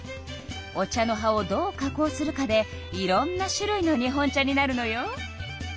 お茶の葉をどう加工するかでいろんな種類の日本茶になるのよ。